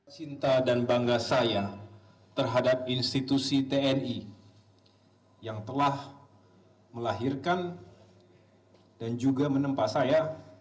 cinta dan bangga saya terhadap institusi tni yang telah melahirkan dan juga menempa saya